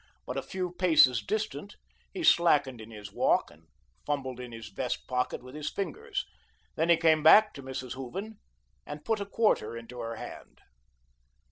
But a few paces distant, he slackened in his walk and fumbled in his vest pocket with his fingers. Then he came back to Mrs. Hooven and put a quarter into her hand.